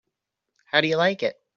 How do you like it?